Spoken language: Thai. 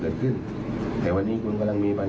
และก็ไม่ได้ยัดเยียดให้ทางครูส้มเซ็นสัญญา